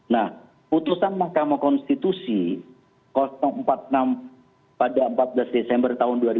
nah putusan mahkamah konstitusi empat puluh enam pada empat belas desember dua ribu dua